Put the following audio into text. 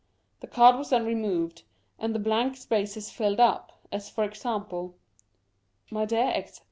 The card was then removed, and the blank spaces filled up. As for example : My dear X.